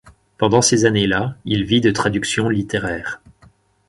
Pendant ces années-là, il vit de traductions littéraires.